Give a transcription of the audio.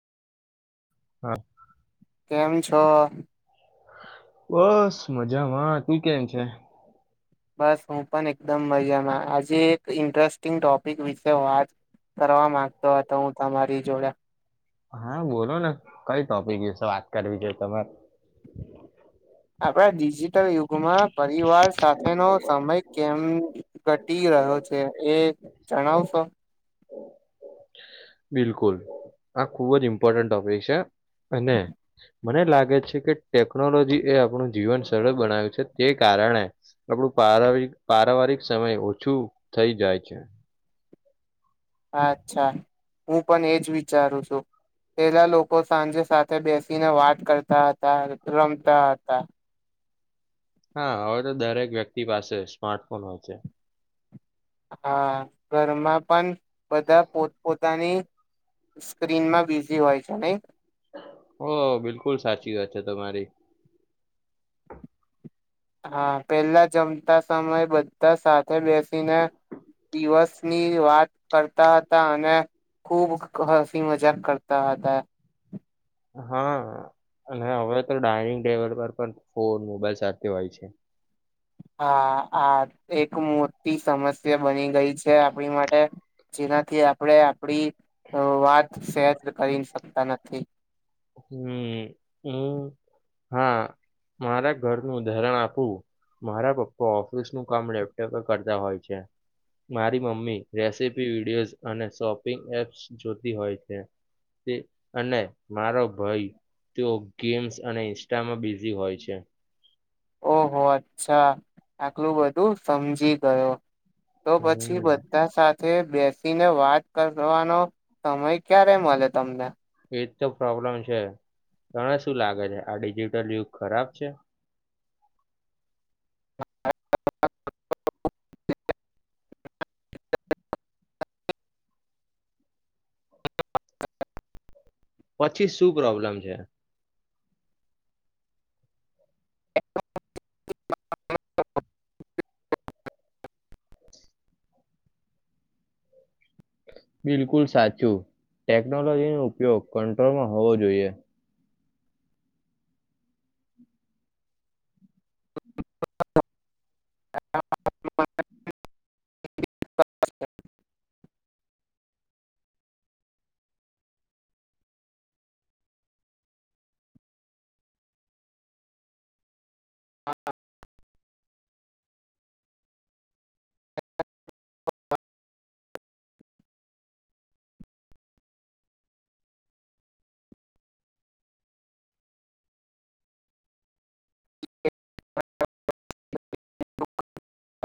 હા કેમ છો? બસ મજામાં. તું કેમ છે? બસ હું પણ એકદમ મજામાં. આજે એક ઇન્ટરેસ્ટિંગ ટોપિક વિશે વાત કરવા માંગતો હતો હું તમારી જોડે હા બોલોને કઈ ટોપિક વિશે વાત કરવી છે તમારે? આપણે ડિજિટલ યુગ ગુમા પરિવાર સાથેનો સમય કેમ ઘટી રહ્યો છ છે એ જણાવશો? બિલકુલ. આ ખૂબ જ ઇમ્પોર્ટન્ટ ટોપિક છે. અને મને લાગે છે કે ટેકનોલોજી એ આપણું જીવન સરળ બનાવ્યું છે. તે કારણે આપણું પારાવા પારિવારિક સમય ઓછું થઈ જાય છે. અચ્છા. હું પન એજ વિચારું સુ. પેલા લોકો સાંજે સાથે બેસીને વાત કરતા હતા, રમતા હતા. હા હવે તો દરેક વ્યક્તિ પાસે સ્માર્ટફોન હોય છે. હા ઘરમાં પન બધાં પોત પોતાની સ્ક્રીનમાં બિઝી હોય છે નહીં? ઓહ! બિલકુલ સાચી વાત છે તમારી હા પેલા જમતા સમય બધાં સાથે બેસીને દિવસની વાત કરતા હતા અને ખૂબ હસી મજાક કરતા હતા. હહ અને હવે તો ડાઇનિંગ ટેબલ પર પણ ફોન, મોબાઈલ સાથે હોય છે. હા આ એક મોટી સમસ્યા બની ગઈ છે આપણી માટે જેનાથી આપણે આપણી હહ વાત શેર કરી તા નથી હમ હું હા મારા ઘરનું ધરણ આપું મારા પપ્પા ઓફિસનું કામ લેપટોપે કરતા હોય છે મારી મમ્મી રેસીપી વિડીિયોઝ અને શોપિંગ એપ્સ જોતી હોય છે અને મારો ભાઈ તેઓ ગેમ્સ અને ઇન્સ્ટામાં બિઝી હોય છે ઓહો અચ્છા આટલું બધું સમજી ગયો તો પછી હમ બધા સાથે બેસીને વાત કરવાનો સમય ક્યારે મળે તમને એજ તો પ્રોબ્લેમ છે તને શું લાગે છે આ ડિજિટલ યુગ ખરાબ છે પછી શું પ્રોબ્લેમ છે [inaudible] બિલકુલ સાચું ટેકનોલોજીનો ઉપયોગ કંટ્રોલમાં હોવો જોઈએ [inaudible] [inaudible]